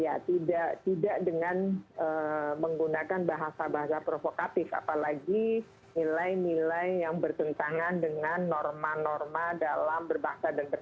ya tidak dengan menggunakan bahasa bahasa provokatif apalagi nilai nilai yang bertentangan dengan norma norma dan nilai nilai yang berkaitan dengan kebenaran